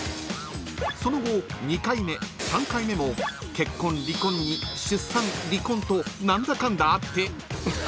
［その後２回目３回目も結婚離婚に出産離婚と何だかんだあって］